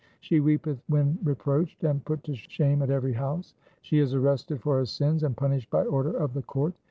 She weepeth when reproached and put to shame at every house. She is arrested for her sins, and punished by order of the court.